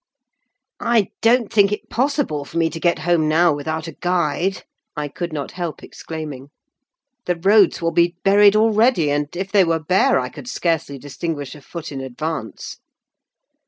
"I don't think it possible for me to get home now without a guide," I could not help exclaiming. "The roads will be buried already; and, if they were bare, I could scarcely distinguish a foot in advance."